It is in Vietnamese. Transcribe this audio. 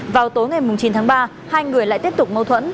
vào tối ngày chín tháng ba hai người lại tiếp tục mâu thuẫn